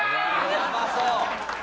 やばそう！